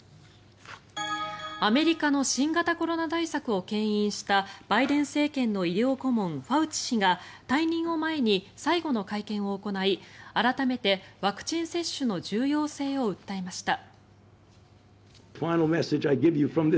アメリカの新型コロナ対策をけん引したバイデン政権の医療顧問ファウチ氏が退任を前に最後の会見を行い改めてワクチン接種の重要性を訴えました。